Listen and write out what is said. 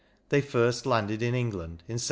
They first landed in England in 787.